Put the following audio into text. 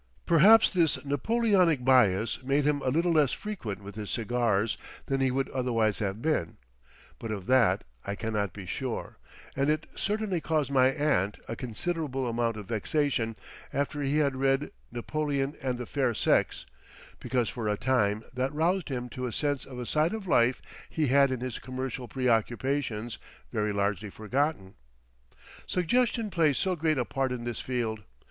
Perhaps this Napoleonic bias made him a little less frequent with his cigars than he would otherwise have been, but of that I cannot be sure, and it certainly caused my aunt a considerable amount of vexation after he had read Napoleon and the Fair Sex, because for a time that roused him to a sense of a side of life he had in his commercial preoccupations very largely forgotten. Suggestion plays so great a part in this field.